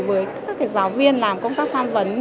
với các giáo viên làm công tác tham vấn